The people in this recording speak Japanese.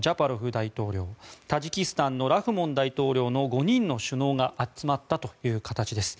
大統領タジキスタンのラフモン大統領の５人の首脳が集まったという形です。